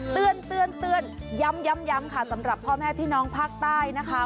เตือนเตือนเตือนย้ำย้ำย้ำค่ะสำหรับพ่อแม่พี่น้องภาคใต้นะคะ